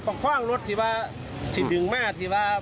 ผมขว้างรถที่ว่าสิ่งหนึ่งมากที่ว่า